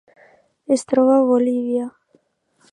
Es troba a Bolívia.